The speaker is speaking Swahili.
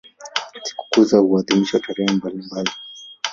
Sikukuu zao huadhimishwa tarehe mbalimbali.